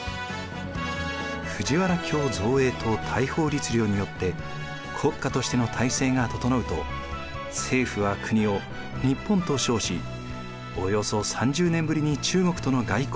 藤原京造営と大宝律令によって国家としての体制が整うと政府は国を「日本」と称しおよそ３０年ぶりに中国との外交を再開。